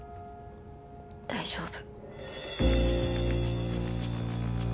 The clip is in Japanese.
大丈夫。